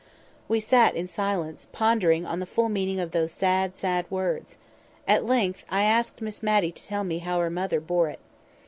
We sat in silence, pondering on the full meaning of those sad, sad words. At length I asked Miss Matty to tell me how her mother bore it.